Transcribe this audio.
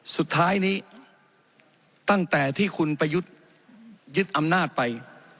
สุดท้ายนี้ตั้งแต่ที่คุณไปยึดอำนาจไป